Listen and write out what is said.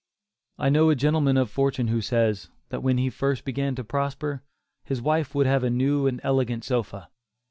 I know a gentleman of fortune who says, that when he first began to prosper, his wife would have a new and elegant sofa.